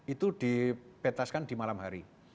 itu dibetaskan di malam hari